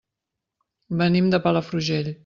Venim de Palafrugell.